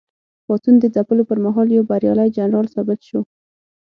پاڅون د ځپلو پر مهال یو بریالی جنرال ثابت شو.